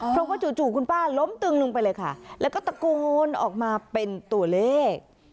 เพราะว่าจู่คุณป้าล้มตึงลงไปเลยค่ะแล้วก็ตะโกนออกมาเป็นตัวเลข